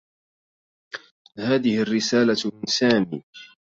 هذه الرّسالة من سامي.